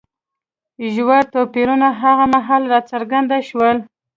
ژور توپیرونه هغه مهال راڅرګند شول.